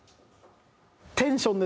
テンション？